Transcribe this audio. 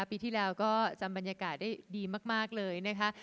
ปีที่แล้วก็จำบรรยากาศได้ดีมากเลยนะคะ